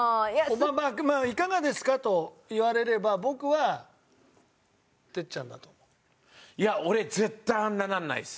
まあ「いかがですか？」と言われれば僕は。いや俺絶対あんなならないっす。